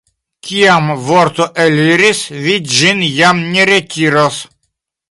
Kiam vorto eliris, vi ĝin jam ne retiros.